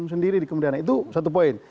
sendiri dikemudian itu satu poin